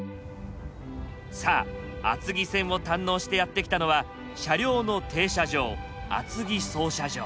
さあ厚木線を堪能してやって来たのは車両の停車場厚木操車場。